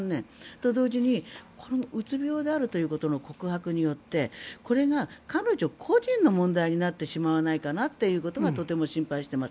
と、同時にこのうつ病であることの告白によってこれが彼女個人の問題になってしまわないかなということがとても心配しています。